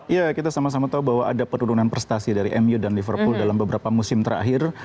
ya kita sama sama tahu bahwa ada penurunan prestasi dari mu dan liverpool dalam beberapa musim terakhir